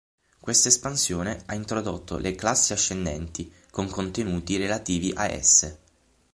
Questa espansione ha introdotto le "classi ascendenti", con contenuti relativi a esse.